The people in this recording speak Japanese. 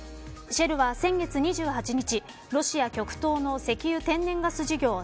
シェルは先月２８日、ロシア極東の石油天然ガス事業